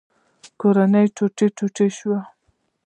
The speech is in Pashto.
کورنۍ ټوټې ټوټې شوه.